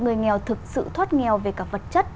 người nghèo thực sự thoát nghèo về cả vật chất